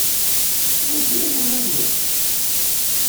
Anwa ay t-ilan wanu-nni?